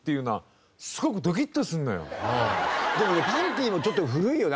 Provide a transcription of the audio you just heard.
パンティーもちょっと古いよね。